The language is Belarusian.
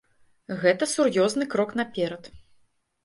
Гэта сур'ёзны крок наперад.